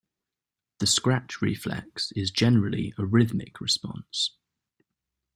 The scratch reflex is generally a rhythmic response.